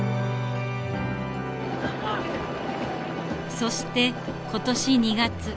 そして今年２月。